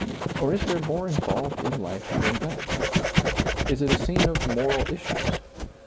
or is there more involved in life than that ? is it a scene of moral issues